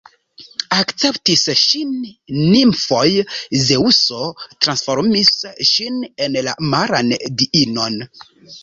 Akceptis ŝin nimfoj, Zeŭso transformis ŝin en la maran diinon.